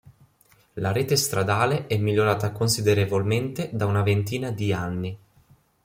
La rete stradale è migliorata considerevolmente da una ventina di anni.